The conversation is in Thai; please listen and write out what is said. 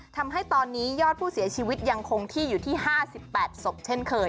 ทำให้ตอนนี้ยอดผู้เสียชีวิตยังคงที่อยู่ที่๕๘ศพเช่นเคย